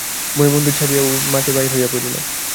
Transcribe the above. ভয়ে মন্দির ছাড়িয়া মাঠে বাহির হইয়া পড়িল।